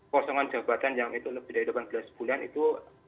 kosongan jabatan yang itu lebih dari delapan belas bulan itu